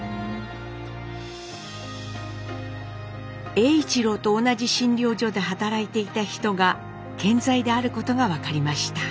栄一郎と同じ診療所で働いていた人が健在であることが分かりました。